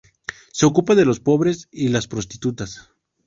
Se ocupa de los pobres y las prostitutas.